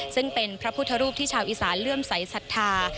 ซึ่งเป็นพระพุทธรูปที่ชาวอีสานเลื่อมใสสัทธา